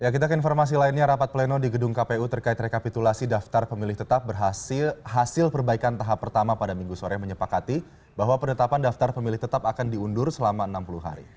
kita ke informasi lainnya rapat pleno di gedung kpu terkait rekapitulasi daftar pemilih tetap hasil perbaikan tahap pertama pada minggu sore menyepakati bahwa penetapan daftar pemilih tetap akan diundur selama enam puluh hari